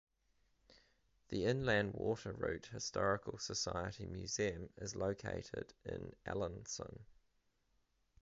The Inland Water Route Historical Society Museum is located in Alanson.